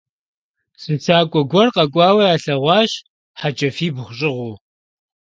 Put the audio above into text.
Зы щакӀуэ гуэр къакӀуэу ялъэгъуащ, хьэджафибгъу щӀыгъуу.